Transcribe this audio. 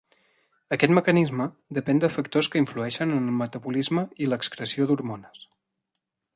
Aquest mecanisme depèn de factors que influeixen en el metabolisme i l'excreció d'hormones.